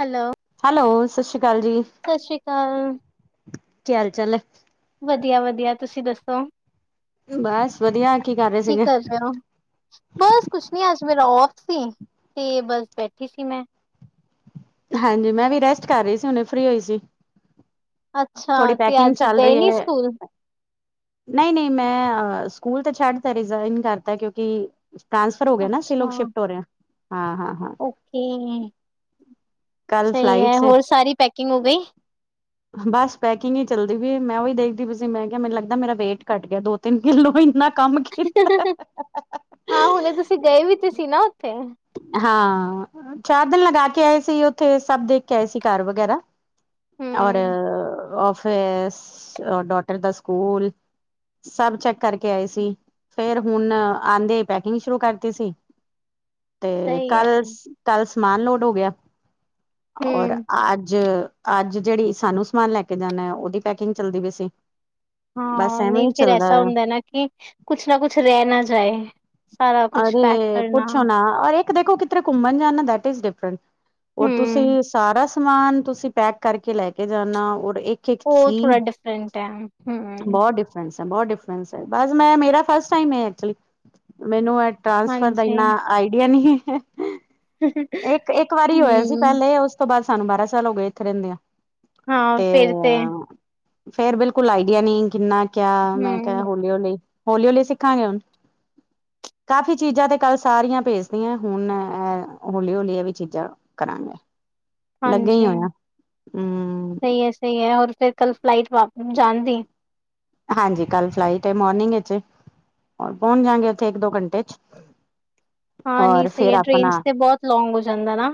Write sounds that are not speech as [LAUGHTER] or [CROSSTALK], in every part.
Hello hello ਸਤਿ ਸ਼੍ਰੀ ਅਕਾਲ ਜੀ। ਸਤਿ ਸ਼੍ਰੀ ਅਕਾਲ। ਕੀ ਆ ਹਾਲ ਚਾਲ ਏ। ਵਧੀਆ ਵਧੀਆ ਤੁਸੀਂ ਦੱਸੋ? ਬਸ ਵਧੀਆ ਕੀ ਕਰ ਰਹੇ ਸੀਗੇ? ਕਰ ਰਹੇ ਹੋ? ਬਸ ਕੁਛ ਨੀ ਅੱਜ ਮੇਰਾ ਔਫ ਸੀ ਤੇ ਬਸ ਬੈਠੀ ਸੀ ਮੈਂ। ਹਾਂਜੀ ਮੈਂ ਵੀ ਰੈਸਟ ਕਰ ਰਹੀ ਸੀ ਹੁਨੇ ਫ੍ਰਰੀ ਹੋਈ ਸੀ। ਅੱਛਾ ਥੋੜ੍ਹੀ ਤੇ ਪੈਕਿੰਗ ਅੱਜ ਚੱਲ ਗਏ ਰਹੀ ਨੀ ਹੈ ਸਕੂਲ? ਨਹੀਂ ਨਹੀਂ ਮੈਂ ਆਂ ਸਕੂਲ ਤੇ ਛੱਡ ਤਾ ਰਿਜ਼ਾਇਨ ਕਰਤਾ ਕਿਉਂਕਿ ਟ੍ਰਾਂਸਫਰ ਹੋ ਗਿਆ ਏਨਾ ਅਸੀ ਲੋਕ ਅੱਛਾ, ਸ਼ਿਫਟ ਹੋ ਰਹੇ ਹਾਂ। ਹਾਂ, ਹਾਂ ਓਕੇ ਕੱਲ ਸਹੀ ਹੈ, ਫਲਾਈਟਸ ਏ ਹੋਰ ਸਾਰੀ ਪੈਕਿੰਗ ਹੋ ਗਈ? ਬਸ ਪੈਕਿੰਗ ਹੀ ਚੱਲਦੀ ਪਈ ਏ ਮੈਂ ਉਹੀ ਦੇਖਦੀ ਪਈ ਸੀ ਮੈਂ ਕਿਹਾ ਮੈਨੂੰ ਲੱਗਦਾ ਮੇਰਾ ਵੇਈਟ ਘੱਟ ਗਿਆ ਦੋ ਤਿੰਨ ਕਿੱਲੋ ਇੰਨਾ ਕੰਮ ਕੀਤਾ। ਹਾਂ ਹੁਣੇ ਤੁਸੀਂ ਗਏ ਵੀ ਤੇ ਸੀ ਨਾ ਉੱਥੇ। ਹਾਂ ਚਾਰ ਦਿਨ ਲਗਾ ਕੇ ਆਏ ਸੀ ਉੱਥੇ ਸਭ ਦੇਖ ਕੇ ਆਏ ਸੀ ਘਰ ਵਗੈਰਾ। ਔਰ ਹੂੰ, ਆਫ਼ਿਸ, ਡੋਟਰ ਦਾ ਸਕੂਲ ਸਭ ਚੈੱਕ ਕਰਕੇ ਆਏ ਸੀ ਫੇਰ ਹੁਣ ਆਦਿਆਂ ਪੈਕਿੰਗ ਸ਼ੁਰੂ ਕਰਤੀ ਸੀ। ਤੇ ਸਹੀ ਕੱਲ, ਹੈ। ਕੱਲ ਸਮਾਨ ਲੋਡ ਹੋ ਗਿਆ ਔਰ ਹੂੰ, ਅੱਜ ਅੱਜ ਜਿਹੜੀ ਸਾਨੂੰ ਸਮਾਨ ਲੈ ਕੇ ਜਾਣਾ ਉਹਦੀ ਪੈਕਿੰਗ ਚੱਲਦੀ ਪਈ ਸੀ। ਬਸ ਹਾਂ ਐਵੇਂ ਨਹੀਂ ਹੀ ਫਿਰ ਚੱਲਦਾ ਐਸਾ ਆ ਹੁੰਦਾ ਨਾ ਕਿ ਕੁਛ ਨਾ ਕੁਛ ਰਹਿ ਨਾ ਜਾਏ। ਸਾਰਾ ਕੁਛ ਪੈਕ ਅਰੇ ਕਰਨਾ। ਪੁੱਛੋਂ ਨਾ ਅਰੇ ਦੇਖੋ ਕਿਥਰੇ ਘੁੰਮਣ ਜਾਣਾ ਦੈਟ ਇਜ਼ ਡਿਫਰੈਂਟ ਔਰ ਹੂੰ, ਤੁਸੀਂ ਸਾਰਾ ਸਮਾਨ ਤੁਸੀਂ ਪੈਕ ਕਰਕੇ ਲੈ ਕੇ ਜਾਣਾ ਔਰ ਇੱਕ ਇੱਕ ਉਹ ਥੋੜਾ ਚੀਜ਼ ਡਿਫਰੈਂਟ ਹੈ ਹਮ। ਬਹੁਤ ਬਹੁਤ ਡਿਫਰਸ ਹੈ ਬਸ ਮੈਂ ਮੇਰਾ ਫਿਰਸਟ ਟਾਈਮ ਏ ਅਕਚੂਲੀ ਮੈਨੂੰ ਇਹ ਟ੍ਰਾਂਸਫਰ ਦਾ ਇੰਨਾ ਹਾਂਜੀ, ਆਈਡੀਆ ਨਹੀਂ ਹੈਂ। ਇੱਕ ਇੱਕ ਵਾਰੀ ਹੋਇਆ ਸੀ ਹੂੰ, ਪਹਿਲੇ ਉਸ ਤੋਂ ਬਾਅਦ ਸਾਨੂੰ ਬਾਰਾਂ ਸਾਲ ਹੋ ਗਏ ਇੱਥੇ ਰਹਿੰਦੇ ਆ। ਹਾਂ ਤੇ ਫਿਰ ਫੇਰ ਬਿਲਕੁਲ ਆਈਡੀਆ ਨਹੀਂ ਕਿੰਨਾ ਕਿਆ ਮੈਂ ਕਿਹਾ ਹੂੰ, ਹੋਲੀ ਹੋਲੀ, ਹੋਲੀ ਹੋਲੀ ਸਿੱਖਾਂਗੇ ਹੁਣ। ਕਾਫ਼ੀ ਚੀਜ਼ਾਂ ਤੇ ਕੱਲ ਸਾਰੀਆਂ ਭੇਜਤਿਆਂ ਹੁਣ ਏ ਹੌਲੀ ਹੌਲੀ ਇਹ ਵੀ ਚੀਜ਼ਾਂ ਕਰਾਂਗੇ ਲੱਗੇ ਹਾਂਜੀ ਹੀ ਹੋਇਆ ਹਮ। ਸਹੀ ਐ, ਸਹੀ ਹੈ ਹੋਰ ਫਿਰ ਕੱਲ ਫਲਾਈਟ ਵਾਪ ਜਾਣ ਦੀ? ਹਾਂਜੀ ਕੱਲ ਫਲਾਈਟ ਮੋਰਨਿੰਗ ਇਛ ਏ। ਹੋਰ ਪਹੁੰਚ ਜਾਂਗੇ ਉੱਥੇ ਇੱਕ ਦੋ ਘੰਟੇ ਚ। ਹਾਂ ਨੀ ਔਰ ਸਹੀ ਫੇਰ ਹੈ ਟ੍ਰੇਨ ਆਪਣਾ ਤੇ ਬਹੁਤ ਲੋਂਂਗ ਹੋ ਜਾਂਦਾ ਨਾ।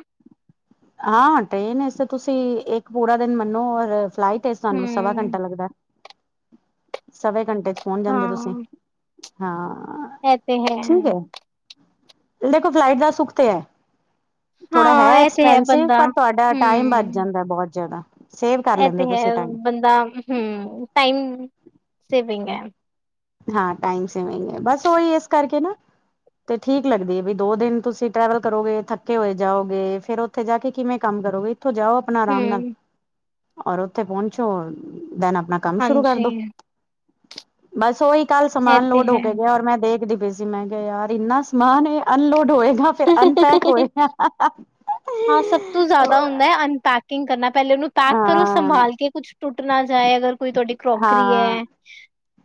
ਹਾਂ ਟ੍ਰੇਨ ਤੇ ਤੁਸੀਂ ਇੱਕ ਪੂਰਾ ਦਿਨ ਮੰਨੋ ਔਰ ਫਲਾਈਟ ਤੁਹਾਨੂੰ ਸਵਾ ਘੰਟਾ ਹੂੰ, ਲੱਗਦਾ। ਸਵੇ ਘੰਟੇ ਚ ਪਹੁੰਚ ਜਾਂਦੇ ਤੁਸੀਂ ਹਾਂ ਹਾਂ, ਇਹ ਤੇ ਠੀਕ ਹੈ। ਦੇਖੋ ਫਲਾਈਟ ਦਾ ਸੁੱਖ ਤੇ ਹੈ। ਥੋੜਾ ਹੈ ਹਾਂ ਇਹ ਤੇ ਹੈ ਐਕਸਪੈਂਸਿਵ ਬੰਦਾ ਪਰ ਤੁਹਾਡਾ ਹੂੰ, ਟਾਈਮ ਬਚ ਜਾਂਦਾ ਬਹੁਤ ਜ਼ਿਆਦਾ। ਸੇਵ ਕਰ ਇਹ ਲੈਂਦੇ ਤੇ ਹੋ ਤੁਸੀਂ ਹੈ, ਟਾਈਮ ਬੰਦਾ ਹਮ ਟਾਈਮ ਸੇਵਿੰਗ ਹੈ। ਹਾਂ ਟਾਈਮ ਸੇਵਿੰਗ ਹੈ ਬਸ ਉਹੀ ਇਸ ਕਰਕੇ ਨਾ ਤੇ ਠੀਕ ਲੱਗਦੀ ਏ ਵੀ ਦੋ ਦਿਨ ਤੁਸੀ ਟਰੈਵਲ ਕਰੋਗੇ ਥੱਕੇ ਹੋਏ ਜਾਓਗੇ ਫੇਰ ਉੱਥੇ ਜਾ ਕੇ ਕਿਵੇਂ ਕੰਮ ਕਰੋਗੇ ਇੱਥੋਂ ਜਾਓ ਆਪਣਾ ਆਰਾਮ ਨਾਲ, ਹੂੰ, ਔਰ ਉੱਥੇ ਪਹੁੰਚੋ, ਦੈਨ ਆਪਣਾ ਕੰਮ ਸ਼ੁਰੂ ਕਰ ਹਾਂਜੀ ਦੋ। ਬਸ ਉਹੀ ਕੱਲ ਇਹ ਸਮਾਨ ਤੇ ਲੋਡ ਹੋ ਹੈ। ਕੇ ਗਿਆ ਔਰ ਮੈਂ ਦੇਖਦੀ ਪਈ ਸੀ ਜੇ ਮਹਿੰਗਾ ਯਾਰ ਇੰਨਾ ਸਮਾਨ ਇਹ ਅਨਲੋਡ ਹੋਏ ਫਿਰ ਅਨਪੈਕ ਹੋਏਗਾ ਹਾਂ ਸਭ ਤੋਂ ਹੋ ਜ਼ਿਆਦਾ ਹੁੰਦਾ ਹੈ [INAUDIBLE] [INAUDIBLE] ਹਾਂ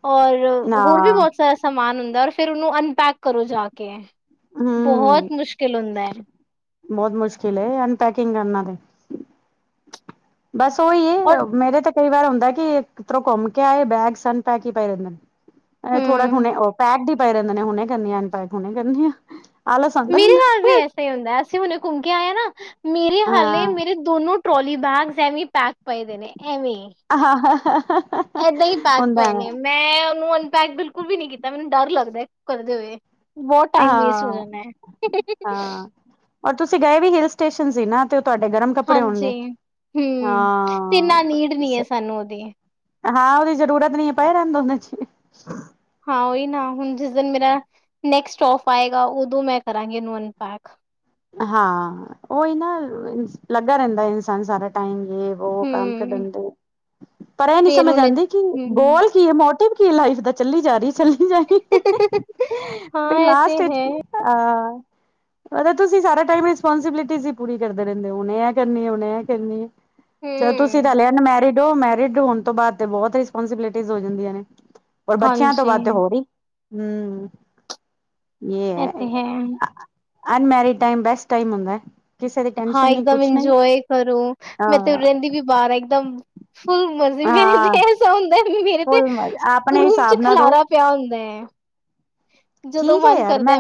ਔਰ ਨਾ ਹੋਰ ਵੀ ਬਹੁਤ ਸਾਰਾ ਸਮਾਨ ਹੁੰਦਾ ਰ ਫੇਰ ਉਹਨੂੰ ਅਨਪੈਕ ਕਰੋ ਜਾ ਕੇ। ਹੂੰ ਬਹੁਤ ਮੁਸ਼ਕਿਲ ਹੁੰਦਾ ਹੈ। ਬਹੁਤ ਮੁਸ਼ਕਿਲ ਐ ਅਨਪੈਕਿੰਗ ਕਰਨਾ ਦੇ। ਬਸ ਉਹੀ ਹੈ। ਪਰ। ਮੇ ਕਿਹਾ ਤੇ ਕਈ ਵਾਰ ਹੁੰਦਾ। ਕਿਧਰੋਂ ਘੁੰਮ ਕੇ ਆਏ ਬੈਗ ਸਨ ਪੈ ਕੇ ਪਏ ਰਿੰਦੇ ਨੇ। ਇਹ ਥੋੜਾ ਹਮ ਹੁਣੇ ਉਹ ਪੈਕ ਵੀ ਪਏ ਰਹਿੰਦੇ ਨੇ ਹੁਣੇ ਕਰਨੀ ਆ ਅਨਪੈਕ ਹੁਣੇ ਕਰਨੀ। ਆਲਸ ਆਂਦਾ ਮੇਰੇ ਰਹਿੰਦਾ ਨਾਲ ਵੀ ਐਸਾ ਹੀ ਹੁੰਦਾ। ਅਸੀਂ ਹੁਣੇ ਘੁੰਮ ਕੇ ਆਏ ਹਾਂ ਨਾ, ਮੇਰੇ ਹਾਲੇ ਹਾਂ ਮੇਰੇ। ਦੋਨੋ ਟਰੋਲੀ ਬੈਗਸ ਐਵੇਂ ਪੈਕ ਪਏਦੇ ਨੇ ਐਵੇਂ। ਹ ਹ। ਏਦਾਂ ਹੀ ਪੈਕ ਪਏ ਨੇ, ਮੈਂ ਉਹਨੂੰ ਅਨਪੈਕ ਬਿਲਕੁਲ ਵੀ ਨੀ ਕੀਤਾ ਮੈਨੂੰ ਡਰ ਲੱਗਦਾ ਕਰਦੇ ਹੋਏ। ਬਹੁਤ ਟਾਈਮ ਵੇਸਟ ਹੋ ਹਾਂ ਜਾਣਾ ਹੈ। ਹਾਂ ਔਰ ਤੁਸੀਂ ਗਏ ਵੀ ਹਿਲ ਸਟੇਸ਼ਨ ਸੀ। ਨਾ ਤੇ ਉਹ ਤੁਹਾਡੇ ਗਰਮ। ਕੱਪੜੇ ਹਾਂਜੀ। ਹੋਣਗੇ ਹਮ ਤੇ ਇੰਨਾ ਹਾਂ ਨੀਡ ਨੀ ਹੈ ਸਾਨੂੰ ਉਹਦੀ। ਹਾਂ ਉਹਦੀ ਜ਼ਰੂਰਤ ਨੀ ਪਏ ਰਹਿਣ ਦੋ ਉਹਦੇ ਚ। ਹਾਂ ਉਹੀ ਨਾ ਹੁਣ ਜਿਸ ਦਿਨ ਮੇਰਾ ਨੈਕਸਟੋਫ ਆਏਗਾ ਉਦੋਂ ਮੈਂ ਕਰਾਂਗੀ ਇਹਨੂੰ ਅਨਪੈਕ। ਹਾਂ। ਉਹੀ। ਨਾ। ਲੱਗਾ। ਰਹਿੰਦਾ। ਇਨਸਾਨ। ਸਾਰਾ। ਟਾਈਮ। ਉਹ। ਕੰਮ। ਕੇ। ਹੂੰ ਦਿੰਦੇ। ਪਰ। ਇਹ। ਨੀ। ਫੇਰ ਸਮਝ। ਹੁਣ ਆਉਂਦੀ। ਕਿ। ਹੂੰ ਬੋਲ। ਕੀ। ਹੈ। ਮੋਟਿਵ। ਕੀ। ਲਾਈਫ। ਦਾ। ਚੱਲੀ। ਜਾ। ਰਹੀ। ਚੱਲੀ। ਜਾਹੀ। ਬਈ। ਹਾਂ ਇਹ ਤੇ ਲਾਸਟ। ਹੈ ਹਾਂ। ਉਹਦੇ। ਤੁਸੀਂ। ਸਾਰਾ। ਟਾਈਮ। ਰਿਸਪੋਂਸੀਬਿਲਿਟੀ। ਹੀ। ਪੂਰੀ। ਕਰਦੇ। ਰਹਿੰਦੇ। ਹੋ ਓਨੇ। ਇਹ। ਕਰਨੀ। ਓਨੇ। ਕਰਨੀ ਹੈ। ਚਲੋ। ਤੁਸੀਂ। ਹੂੰ ਤਾਂ। ਲਿਆ। ਮੈਰਿਡ। ਹੋ। ਮੈਰਿਡ। ਹੋਣ। ਤੋਂ। ਬਾਅਦ ਤੇ। ਬਹੁਤ। ਰਿਸਪੋਂਸੀਬਿਲਿਟੀ। ਹੋ। ਜਾਂਦੀਆਂ। ਨੇ। ਔਰ। ਬੱਚਿਆਂ। ਤੋਂ। ਹਾਂਜੀ ਬਾਅਦ। ਹੋ। ਰਹੀ। ਹਮ। ਇਹ। ਹੈ। ਅਨਮੈਰੀਡ। ਟਾਈਮ। ਬੈਸਟ। ਟਾਈਮ। ਹੁੰਦਾ। ਕਿਸੇ ਦੀ ਹਾਂ। ਟੈਨਸ਼ਨ ਨਹੀਂ ਇੱਕਦਮ। ਕੁਛ ਨਹੀਂ ਇੰਜੋਏ। ਕਰੂ। ਹਾਂ ਮੈਂ। ਤੇ। ਰਹਿੰਦੀ। ਵੀ। ਬਾਹਰ। ਆ। ਇੱਕਦਮ। ਫੁੱਲ। ਮਜ਼ੇ। ਮੇ। ਹਾਂ ਐਸਾ। ਹੁੰਦਾ। ਮੇਰੇ। ਤੇ। ਫੁੱਲ ਮਜ਼ਾ ਆਪਣੇ ਰੂਮ ਚ ਹਿਸਾਬ ਨਾਲ ਰਹੋ ਖਲਾਰਾ। ਪਿਆ ਹੁੰਦਾ ਹੈ। ਜਦੋਂ ਠੀਕ ਹੈ। ਮਨ ਯਾਰ ਮੈਂ। ਕਰਦਾ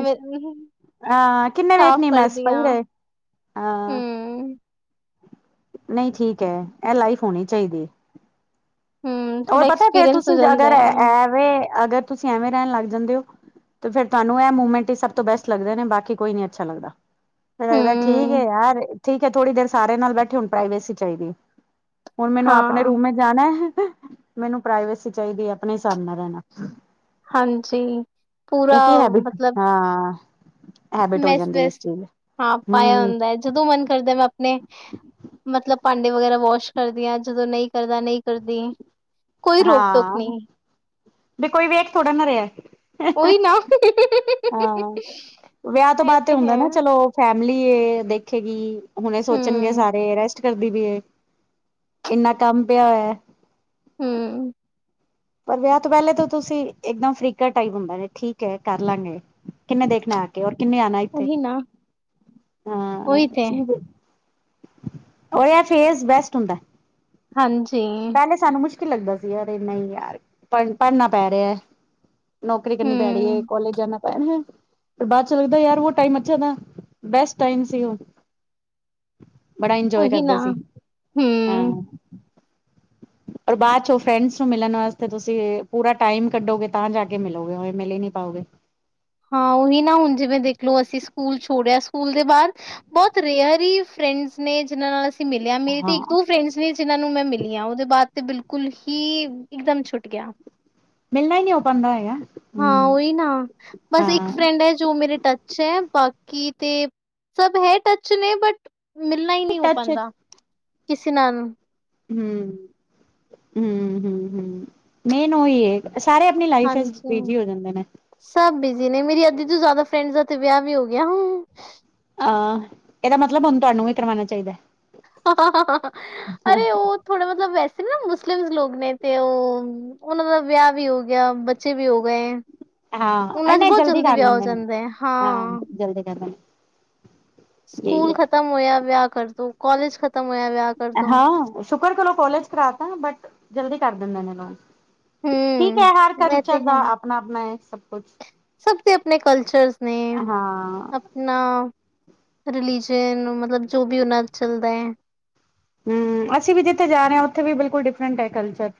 ਹਾਂ ਕਿੰਨੇ ਸਾਫ਼ ਵੇਖਣੀ ਮੈਸ ਕਰਦੀ ਪਈ ਹਾਂ ਰਹੇ। ਹਾਂ। ਹੂੰ ਨਹੀਂ ਠੀਕ ਹੈ। ਇਹ ਲਾਈਫ ਹੋਣੀ ਚਾਹੀਦੀ। ਹੂੰ, ਹੋਰ ਥੋੜਾ ਪਤਾ ਫੇਰ ਐਕਸਪੀਰੀਅੰਸ ਹੋ ਤੁਸੀਂ ਜਾਂਦਾ ਅਗਰ। ਹੈ, ਐਵੇਂ ਅਗਰ ਤੁਸੀਂ ਐਵੇਂ ਰਹਿਣ ਲੱਗ ਜਾਂਦੇ ਹੋ। ਤੇ ਫਿਰ ਤੁਹਾਨੂੰ ਇਹ ਮੂਮੈਂਟ ਹੀ ਸਭ ਤੋਂ ਬੈਸਟ ਲੱਗਦੇ ਨੇ ਬਾਕੀ ਕੋਈ ਨੀ ਅੱਛਾ ਲੱਗਦਾ। ਫਿਰ ਠੀਕ ਹੈ ਹੂੰ, ਯਾਰ ਠੀਕ ਹੈ ਥੋੜ੍ਹੀ ਦੇਰ ਸਾਰੇ ਨਾਲ ਬੈਠੇ ਹੁਣ ਪ੍ਰਾਈਵੇਸੀ ਚਾਹੀਦੀ। ਹੁਣ ਮੈਨੂੰ ਆਪਣੇ ਹਾਂ, ਰੂਮ ਜਾਣਾ, ਮੈਨੂੰ ਪ੍ਰਾਈਵੇਸੀ ਚਾਹੀਦੀ ਹੈ ਆਪਣੇ ਹਿਸਾਬ ਨਾਲ ਰਹਿਣਾ। ਹਾਂਜੀ, ਪੂਰਾ ਇਹ ਕੀ ਹੈਬਿਟ ਮਤਲਬ। ਹਾਂ ਹੈਬਿਟ ਹੋ ਬਸ, ਜਾਂਦੀ ਇਸ ਬਸ ਚੀਜ਼ ਹਾਂ ਪਾਇਆ ਹਮ ਹੁੰਦਾ ਹੈ ਜਦੋਂ ਮਨ ਕਰਦਾ ਮੈਂ ਆਪਣੇ। ਮਤਲਬ ਭਾਂਡੇ ਵਗੈਰਾ ਵਾਸ਼ ਕਰਦੀਆਂ ਜਦੋਂ ਨਹੀਂ ਕਰਦਾ ਨਹੀਂ ਕਰਦੀ। ਕੋਈ ਰੋਕ ਟੋਕ ਹਾਂ, ਨਹੀਂ। ਵੀ ਕੋਈ ਵੇਖ ਥੋੜਾ ਨਾ ਰਿਹਾ। ਉਹੀ ਨਾ ਹਾਂ ਇਹ ਤੇ ਹੈ। ਫੈਮਿਲੀ ਦੇਖੇਗੀ, ਹੁਣੇ ਇਹ ਸੋਚਣਗੇ ਹੂੰ। ਸਾਰੇ ਰੈਸਟ। ਕਰਦੀ ਪਈ, ਇੰਨਾ ਕੰਮ ਪਿਆ ਹੋਇਆ। ਹਮ। ਪਰ ਵਿਆਹ ਤੋਂ ਪਹਿਲੇ ਤਾਂ ਤੁਸੀਂ ਇੱਕਦਮ ਫਰੀਕਾ ਟਾਈਪ ਹੁੰਦਾ ਨੇ ਠੀਕ ਹੈ ਕਰ ਲਵਾਂਗੇ। ਕਿੰਨੇ ਦੇਖਣਾ ਆ ਕੇ ਰ ਕਿੰਨੇ ਆ। ਉਹੀ ਨਾ, [UNINTELLIGIBLE] ਹਾਂ ਉਹੀ ਤੇ, ਚੀ। [UNINTELLIGIBLE] ਉਹ ਇਹ ਫੇਸ ਬੈਸਟ ਹੁੰਦਾ। ਹਾਂਜੀ। ਞੇ ਸਾਨੂੰ ਮੁਸ਼ਕਿਲ ਲੱਗਦਾ ਸੀ ਯਾਰ, ਨਹੀਂ ਯਾਰ ਪੜ ਪੜਨਾ ਪੈ ਰਿਹਾ। ਨੌਕਰੀ ਕਰਨੀ ਪੈ ਰਹੀ ਹੈ, ਹੂੰ, ਕਾਲਜ ਜਾਣਾ ਪੈਣਾ। ਪਰ ਬਾਅਦ ਚ ਲੱਗਦਾ ਯਾਰ ਉਹ ਟਾਈਮ ਅੱਛਾ ਥਾ। ਬੈਸਟ ਟਾਈਮ ਸੀ ਉਹ। ਬੜਾ ਇੰਜੋਏ ਉਹੀ ਕਰਦੇ ਨਾ, ਸੀ, ਹੂੰ। ਹਾਂ। ਔਰ ਬਾਅਦ ਚ ਉਹ ਫਰੈਂਡਸ ਨੂੰ ਮਿਲਣ ਵਾਸ ਤੇ ਤੁਸੀਂ ਪੂਰਾ ਟਾਈਮ ਕੱਢੋਗੇ, ਤਾਂ ਜਾ ਕੇ ਮਿਲੋਗੇ। ਓਵੇ ਮਿਲ ਹੀ ਨੀ ਪਾਓਗੇ। ਹਾਂ, ਉਹੀ ਨਾ ਹੁਣ ਜਿਵੇਂ ਦੇਖਲੋ, ਅਸੀਂ ਸਕੂਲ ਛੋੜਿਆ, ਸਕੂਲ ਦੇ ਬਾਅਦ ਬਹੁਤ ਰੇਅਰ ਹੀ ਫਰੈਂਡਸ ਨੇ ਜਿਹਨਾਂ ਨਾਲ ਅਸੀਂ ਮਿਲਿਆ। ਮੇਰੀ ਤੇ ਹਾਂ ਇੱਕ-ਦੋ ਫਰੈਂਡਸ ਨੇ ਜਿਹਨਾਂ ਨੂੰ ਮੈਂ ਮਿਲੀਆਂ। ਉਹਦੇ ਬਾਅਦ ਤੇ ਬਿਲਕੁਲ ਹੀ ਇੱਕਦਮ ਛੁੱਟ ਗਿਆ। ਮਿਲਣਾ ਹੀ ਨਹੀ ਹੋ ਪਾਉਂਦਾ ਹੈਗਾ। ਹਾਂ, ਹਮ ਉਹੀ ਨਾ। ਬਸ ਇੱਕ ਹਾਂ ਫਰੈਂਡ ਹੈ ਜੋ ਮੇਰੇ ਟੱਚ ਹੈ। ਬਾਕੀ ਤੇ, ਸਭ ਹੈ ਟੱਚ ਨੇ ਬਟ ਮਿਲਣਾ ਹੀ ਨਹੀਂ ਹੋ ਟੱਚ ਪਾਉਂਦਾ ਕਿਸੇ ਨਾਲ। ਹੁਂ। ਹੁਂ-ਹੁਂ, ਹੁਂ, ਮੇਨ ਉਹੀ ਹੈ। ਸਾਰੇ ਆਪਣੀ ਲਾਈਫ ਵਿੱਚ ਹਾਂਜੀ ਬਿਜੀ ਹੋ ਜਾਂਦੇ ਨੇ। ਸਭ ਬਿਜ਼ੀ ਨੇ। ਮੇਰੀ ਅੱਧੀ ਤੋਂ ਜ਼ਿਆਦਾ ਫਰੈਂਡਜ ਦਾ ਤਾ ਵਿਆਹ ਵੀ ਹੋ ਗਿਆ। ਅਹ, ਇਹਦਾ ਮਤਲਬ ਹੁਨ ਤੁਹਾਨੂੰ ਵੀ ਕਰਵਾਉਣਾ ਚਾਹੀਦਾ। ਹਾਂ, ਅਰੇ ਉਹ ਥੋੜਾ ਮਤਲਬ ਵੈਸੇ ਨਾ, ਮੁਸਲਿਮਸ ਲੋਗ ਨੇ ਤੇ ਉਹ ਉਹਨਾਂ ਦਾ ਵਿਆਹ ਵੀ ਹੋ ਗਿਆ, ਬੱਚੇ ਵੀ ਹੋ ਗਏ। ਹਾਂ ਉਹਨਾਂ ਚ ਨਹੀਂ ਬਹੁਤ ਜਲਦੀ ਵਿਆਹ ਹੋ ਜਾਂਦਾ ਹੈ। ਹਾਂ। ਜਲਦੀ ਕੈਂਦੇਨ। ਸਕੂਲ ਖਤਮ ਹੋਇਆ, ਵਿਆਹ ਕਰ ਦੋ। ਕੌਲਜ ਖਤਮ ਹੋਇਆ, ਵਿਆਹ ਕਰ ਦੋ ਹਾਂ, ਸ਼ੁਕਰ ਕਰੋ ਕੋਲਜ ਕਰਾ ਤਾ। ਬਟ ਜਲਦੀ ਕਰ ਦਿੰਦੋ ਨੇ ਠੀਕ ਹੈ, ਹਮ ਹਰ ਇਹ ਤੇ ਕਲਚਰ ਹੈ ਦਾ ਆਪਣਾ-ਆਪਣਾ ਹੈ ਸਭ ਕੁਛ ਸਭ ਦੇ ਆਪਣੇ ਕਲਚਰਸ ਨੇ। ਹਾਂ ਨਾ, ਰਿਲੀਜਨ ਨੂੰ, ਮਤਲਬ ਜੋ ਵੀ ਉਹਨਾਂ ਚੱਲਦਾ ਹੈ। ਹੁਂ, ਅਸੀਂ ਵੀ ਜਿੱਥੇ ਜਾ ਰਹੇ ਹਾਂ ਉੱਥੇ ਵੀ ਬਿਲਕੁਲ ਡਿਫਰੈਂਟ ਹੈ ਕਲਚਰ।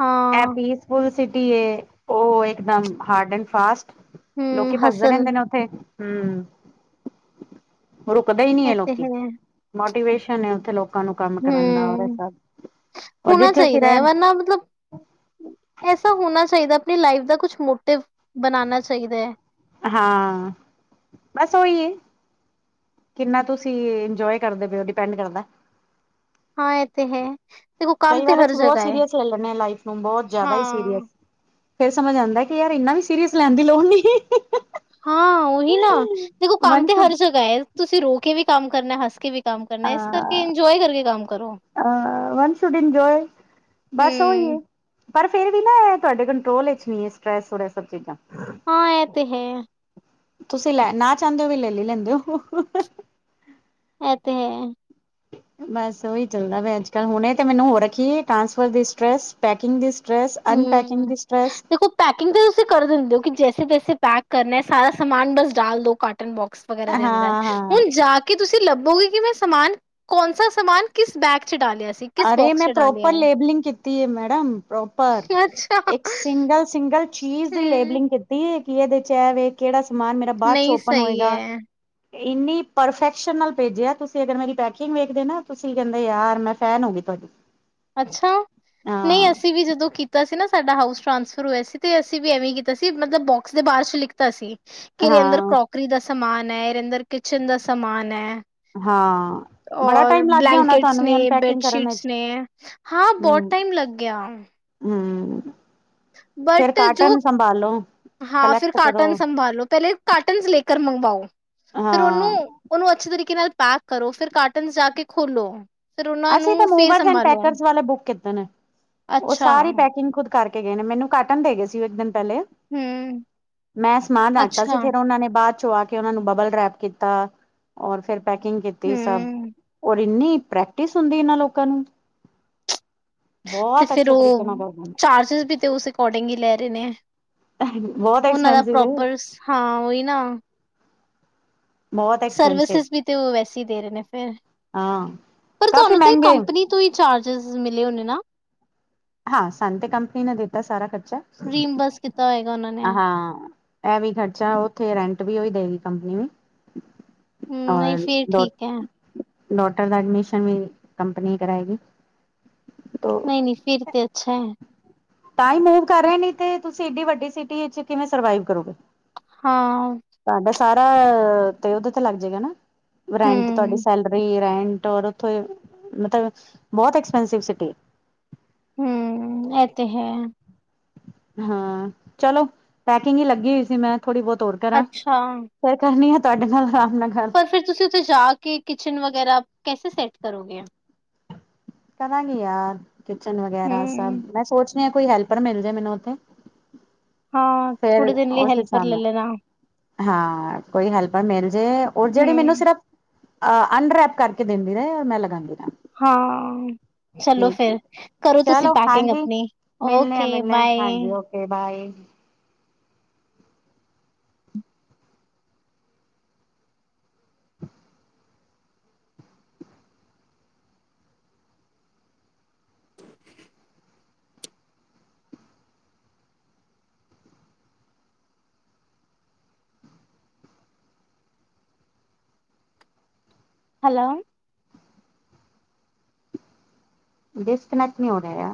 ਹਾਂ। ਐ ਪੀਸਫੁਲ ਸਿਟੀ ਏ, ਓ ਇੱਕਦਮ ਹਾਰਡ ਐਂਡ ਫਾਸਟ ਹਮ ਲੋਕੀ, ਭੱਜਦੇ ਹਸਲ ਰਹਿੰਦੇ ਨੇ ਉੱਥੇ, ਹਮ ਰੁਕਦੇ ਹੀ ਨੀ ਐ ਇਹ ਤੇ ਲੋਕੀ, ਹੈ ਮੋਟੀਵੇਸ਼ਨ ਐ, ਉੱਥੇ ਲੋਕ ਲੋਕਾਂ ਨੂੰ, ਕੰਮ ਕਰਨ ਦਾ ਔਰ ਐ ਹਮ ਸਬ, ਹੋਣਾ ਜਿੱਥੇ ਅਸੀਂ ਚਾਹੀਦਾ ਹੈ ਰੈਨ ਵਰਨਾ ਮਤਲਬ ਐਸਾ ਹੋਣਾ ਚਾਈਦਾ, ਆਪਣੀ ਲਾਈਫ ਦਾ, ਕੁਛ ਮੋਟਿਵ ਬਨਾਨਾ ਚਾਈਦਾ। ਹਾਂ, ਬਸ ਓਈ ਏ। ਕਿੰਨਾ ਤੁਸੀਂ ਇੰਜੋਏ ਕਰਦੇ ਪਏ ਓ, ਡਿਪੈਂਡ ਕਰਦਾ। ਹਾਂ, ਏ ਤੇ ਹੈ। ਦੇਖੋ ਕੰਮ ਕਈ ਤੇ ਵਾਰ ਹਰ ਅਸੀਂ ਬੌਤ ਜਗ੍ਹਾ ਹੈ ਸੀਰੀਅਸ ਲੈ ਲੈਨੇ ਆ, ਲਾਈਫ ਨੂੰ ਬੌਤ ਜਯਾਦਾ ਹੀ ਸੀਰੀਅਸ। ਹਾਂ ਫੇਰ ਸਮਝ ਆਂਦਾ ਕਿ, ਯਾਰ ਇੰਨਾ ਵੀ ਸੀਰੀਅਸ ਲੈਣ ਦੀ ਲੋੜ ਨੀਂ। ਹਾਂ, ਓਹੀ ਨਾ, ਦੇਖੋ ਕੰਮ ਤੇ ਹਰ ਸ਼ੁਡ ਜਗ੍ਹਾ ਐ, ਤੁਸੀਂ ਰੋ ਕੇ ਵੀ ਕੰਮ ਕਰਨਾ, ਹੱਸ ਕੇ ਵੀ ਕੰਮ [UNINTELLIGIBLE] ਕਰਨਾ ਇਸ ਕਰਕੇ ਇੰਜੋਏ ਕਰਕੇ ਕੰਮ ਕਰੋ ਵਨ ਸ਼ੁਡ ਇੰਜੋਏ। ਬਸ ਓਈ ਏ, ਹੂੰ ਪਰ ਫੇਰ ਵੀ ਨਾ, ਏ ਤੁਆਡੇ ਕੰਟਰੋਲ ਵਿੱਚ ਨਈਂ ਐ, ਸਟ੍ਰੈੱਸ ਔਰ ਏ ਸਬ ਚੀਜ਼ਾਂ। ਹਾਂ, ਏ ਤੇ ਹੈ। ਤੁਸੀਂ ਲੈ, ਨਾ ਚਾਂਦੇ ਵੀ ਲੈ ਲ ਲੈਂਦੇ ਓ। ਐ ਤੇ ਹੈ। ਬਸ, ਓਹੀ ਚੱਲਦਾ ਪਿਆ ਅੱਜ -ਕੱਲ ਹੁਣੇ ਤੇ ਮੈਨੂੰ ਹੋ ਰੱਖੀ, ਟਰਾਂਸਫਰ ਦੀ ਸਟ੍ਰੈੱਸ ਪੈਕਿੰਗ ਦੀ ਸਟ ਟ੍ਰੈੱਸ ਅੰਨਪੈਕਿੰਗ ਦੀ ਸਟ੍ਰੈੱਸ ਪੈਕਿੰਗ ਤਾਂ ਤੁਸੀਂ ਕਰ ਦਿੰਦੇ, ਹੋ ਕਿ ਜੈਸੇ ਤੇਸੇ ਪੈਕ ਕਰਨਾ ਸਾਰਾ ਸਮਾਨ ਬਸ ਡਾਲ ਦਿਉ ਕਾਟਨ ਬੋਕਸ ਵਗੈਰਾ ਹਾਂ ਦੇ ਅੰਦਰ ਹਾਂ ਹੁਣ ਜਾ ਕੇ ਕਿ ਤੁਸੀਂ ਲੱਭੋਗੇ ਕਿ, ਮੈਂ ਸਮਾਨ ਕੌਣਸਾ ਸਮਾਨ ਕਿਸ ਬੈਗ ਚ ਡਾਲਿਆ ਸੀ ਕਿਸ ਅਰੇ ਬੋਕਸ ਮੈਂ ਚ ਡਾਲਿਆ ਪ੍ਰੋਪਰ ਲੇਬਲਿੰਗ ਕੀਤੀ ਹੈ ਮੈਡਮ ਪ੍ਰੋਪਰ ਹੈ ਅੱਛਾ ਇੱਕ ਸਿੰਗਲ-ਸਿੰਗਲ ਚੀਜ਼ ਦੀ ਹਮ ਲੇਬਲਿੰਗ ਕੀਤੀ, ਕਿ ਇਹਦੇ ਚ ਕੇੜਾ, ਸਮਾਨ ਮੇਰਾ ਬਾਦ 'ਚ ਨਹੀਂ ਓਪਨ ਸਹੀ ਹੋਏਗਾ? ਹੈ ਇੰਨੀ, ਪਰਫੈਕਸ਼ਨ ਨਾਲ ਭੇਜਿਆ ਤੁਸੀਂ, ਅਗਰ ਮੇਰੀ ਪੈਕਿੰਗ ਵੇਖਦੇ ਨਾ, ਤੁਸੀਂ ਕੇਂਦੇ ਯਾਰ ਮੈਂ ਫੈਨ, ਹੋ ਗਈ ਤੁਆਡੀ। ਅੱਛਾ, ਨਈਂ ਅਸੀ ਵੀ ਜਦੋ ਕੀ ਕੀਤਾ ਸੀ ਨਾ ਸਾਡਾ ਹਾਊਸ ਟਰਾਂਸਫਰ ਹੋਇਆ ਸੀ, ਤੇ ਅਸੀ ਵੀ ਐਵੇਂ ਕੀਤਾ ਸੀ, ਮਤਲਬ ਬੋਕਸ ਦੇ ਬਾਰ ਚ ਲਿਖ ਤਾ ਸੀ। ਕਿਦੇ ਅੰਦਰ ਹਾਂ ਕਰੋਕਰੀ ਦਾ ਸਮਾਨ ਐ, ਐਦੇ ਅੰਦਰ ਕਿਚਨ ਦਾ ਸਮਾਨ ਐ। ਹਾਂ ਬੜਾ ਔਰ ਟਾਈਮ ਲੱਗ ਗਿਆ ਹੋਣਾ ਬਲੈਂਕੇਟਸ ਤੁਹਾਨੂੰ ਵੀ ਨੇ, ਬੈਡ ਅਨਪੈਕਿੰਗ ਕਰਨ ਸ਼ੀਟਸ ਵਿੱਚ ਨੇ ਹਾਂ, ਬੋਤ ਟਾਈਮ ਲੱਗ ਗਇਆ ਹੂੰ, ਫੇਰ ਬਟ ਜੋ ਕਾਰਟਨ ਸੰਭਾਲੋ। ਹਾਂ, ਫੇਰ ਕਲੈਕਟ ਕਰੋ ਕਾਰਟਨ ਸੰਭਾਲੋ, ਪੈਲੇ ਕਾਰਟਂਸ ਲੇਕਰ ਮੰਗਵਾਓ, ਫੇਰ ਓਨੂੰ ਹਾਂ ਓਨੂੰ ਅੱਛੇ ਤਰੀਕੇ ਨਾਲ ਪੈਕ ਕਰੋ, ਫੇਰ ਕਾਰਟਂਸ ਜਾ ਕੇ ਖੋਲੋ। ਫਿਰ ਉਹਨਾਂ ਅਸੀ ਤੇ ਨੂੰ ਫੇਰ ਮੂਵਰਸ ਐਂਡ ਸੰਭਾਲੋ ਪੈਕਰਸ ਵਾਲੇ ਬੁੱਕ ਕੀਤੇ ਨੇ, ਓ ਅੱਛਾ ਸਾਰੀ ਪੈਕਿੰਗ ਖੁਦ ਕਰਕੇ ਗਏ ਨੇ, ਮੈਨੂੰ ਕਾਟਨ ਦੇਗੇ ਸੀ ਓ ਏੱਕ ਦਿਨ ਪੈਲੇ ਹੂੰ ਮੈਂ ਸਮਾਨ ਰਾਖਤਾ ਸੀ, ਅੱਛਾ ਫੇਰ ਓਨਾਂ ਨੇ ਬਾਦ ਚੋ ਆ ਕੇ ਕੇ ਓਨਾਂ ਨੂੰ ਬਬਲ ਰੈਪ ਕੀਤਾ, ਔਰ ਫੇਰ ਪੈਕਿੰਗ ਕੀਤੀ‌, ਸਭ ਹੂੰ ਔਰ ਇੰਨੀ ਪ੍ਰੈਕ ਪ੍ਰੈਕਟਿਸ ਹੂੰਦੀ ਇਨਾਂ ਲੋਕਾ ਨੂੰ ਤੇ ਬਹੁਤ ਫੇਰ ਅੱਛੇ ਓ ਤਰੀਕੇ ਨਾਲ ਕਰਦੇ ਚਾਰਜਿਸ ਵੀ ਤੇ ਉਸ ਅਕੋਰਡਿੰਗ ਈ ਲੈ ਰਨੇ ਨੇ। ਨੇ ਬਹੁਤ ਓਨਾਂ ਦਾ ਐਕਸਪੈਂਸਿਵ ਹੈ ਪ੍ਰੋਪਰਸ, ਹਾਂ ਓਈ ਨਾ ਬਹੁਤ ਐਕਸਪੈਂਸਿਵ ਸਰਵਿਸਿਸ ਵੀ ਤੇ ਓ ਵੈਸੇ ਈ ਦੇਰੇ ਨੇ ਫੇਰ ਹਾਂ ਪਰ ਕਾਫੀ ਤੁਹਾਨੂੰ ਤੇ ਮਹਿੰਗੇ ਕੰਪਨੀ ਤੂਈ ਚਾਰਜਿਸ ਮਿਲੇ ਹੁਨੇ ਨਾ ਹਾਂ, ਸਾਨੂੰ ਤੇ ਕੰਪਨੀ ਨੇ ਦਿੱਤਾ ਸਾਰਾ ਖਰਚਾ, ਕੀਤਾ ਹੋਏਗਾ ਉਹਨਾਂ ਨੇ ਆ ਹਾਂ ਐ ਵੀ ਖਰਚਾ ਓਥੇ, ਰੈਂਟ ਵੀ ਓਈ ਦੇਗੀ ਕੰਪਨੀ ਵੀ ਹੂੰ ਨਹੀਂ ਹਾਂ ਫਿਰ ਡੋਟ ਠੀਕ ਹੈ ਡੋਟਰ ਦਾ ਐਡਮਿਸ਼ਨ ਵੀ ਕੰਪਨੀ ਕਰਾਏਗੀ। ਨਈ, ਫੇਰ ਤੇ ਅੱਛਾ ਐ। ਤਾਂਈ ਮੂਵ ਕਰ ਰਏ ਨੇ, ਤੇ ਤੁਸੀ ਏੱਡੀ ਵੱਡੀ ਸਿਟੀ ਇੱਚ ਕਿਵੇਂ ਸਰਵਾਈਵ ਕਰੋਗੇ? ਹਾਂ। ਤਾਡਾ ਸਾਰਾ, ਤੇ ਉਦੇ ਤੇ ਲੱਗ ਜੇਗਾ ਨਾ ਰੈਂਟ ਤੁਆਡੀ ਹੂੰ ਸੈਲਰੀ ਰੈਂਟ ਉੱਥੇ, ਮਤਲਬ ਬੋਤ ਐਕਸਪੈਂਸਿਵ ਸਿਟੀ ਏ। ਹੂੰ, ਐ ਤੇ ਹੈ। ਹਾਂ, ਚਲੋ ਪੈਕਿੰਗ ਈ ਲੱਗੀ ਹੋਈ ਸੀ ਮੈਂ ਥੋੜੀ ਬੋਤ ਹੋਰ ਅੱਛਾ। ਫੇਰ ਕਰਨੀ ਆ ਤੁਆਡੇ ਨਾਲ ਆਰਾਮ ਨਾਲ ਗੱਲ ਫੇਰ ਤੁਸੀ ਉੱਥੇ ਜਾ ਕੇ, ਕਿਚਨ ਵਗੈਰਾ ਕੈਸੇ ਸੈੱਟ ਕਰੋਗੇ ਆਂ? ਕਰਾਂਗੀ ਯਾਰ ਕਿਚਨ ਵਗੈਰਾ ਸਭ, ਹੂੰ ਮੈਂ ਸੋਚ ਰਿਆਂ ਕੋਈ ਹੈਲਪਰ ਮਿਲ ਜੇ ਮੈਨੂੰ ਓੱਥੇ ਹਾਂ ਫੇਰ ਥੋੜੇ ਦਿਨ ਲਈ ਓਸ ਹੈਲਪਰ ਹਿਸਾਬ ਲੈ ਨਾਲ ਲੈਣਾ ਹਾਂ, ਕੋਈ ਹੈਲਪਰ ਮੇਲ ਜੇ, ਓ ਜੇੜੀ ਹੂੰ ਮੈਨੂੰ ਸਿਰਫ ਅ ਅਨਰੈਪ ਕਰਕੇ ਦੇਂਦੀ ਰਏ, ਔਰ ਮੈਂ ਲਗਾਂਦੀ ਰਾਂ। ਹਾਂ। ਚਲੋ ਫੇਰ, ਕਰੋ ਤੁਸੀ ਚਲੋ ਪੈਕਿੰਗ ਹਾਂਜੀ ਅਪਨੀ ਮਿਲਣੇ ਆ ਓਕੇ, ਮਿਲਣੇ ਆ ਹਾਂਜੀ bye. Okay, bye. Hello. Disconnect ਨੀ ਹੋ ਰੇਆ